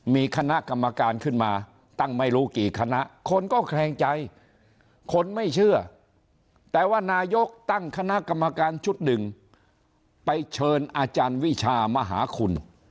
มีคณะกรรมการขึ้นมาตั้งไม่รู้กี่คณะคนก็แคลงใจคนไม่เชื่อแต่ว่านายกตั้งคณะกรรมการชุดหนึ่งไปเชิญอาจารย์วิชามหาคุณ